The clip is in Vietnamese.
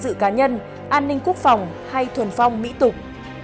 dự cá nhân an ninh quốc phòng hay thuần phong mỹ tục